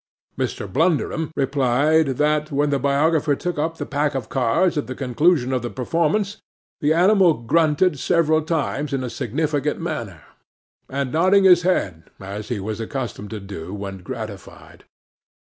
'MR. BLUNDERUM replied, that, when the biographer took up the pack of cards at the conclusion of the performance, the animal grunted several times in a significant manner, and nodding his head as he was accustomed to do, when gratified.